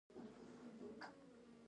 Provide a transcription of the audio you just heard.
ګلداد وویل: داسې ښه دی.